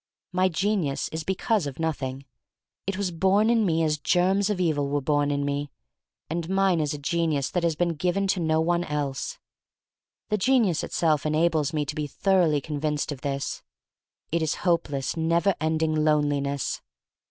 My genius is because of noth ing. It was born in me as germs of evil THE STORY OF MARY MAC LANE IQI were born in me. And mine is a genius that has been given to no one else. The genius itself enables me to be thoroughly convinced of this. It is hopeless, never ending loneli ness!